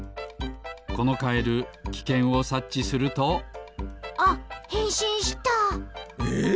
このカエルきけんをさっちするとあっへんしんした！え！？